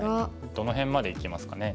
どの辺までいきますかね。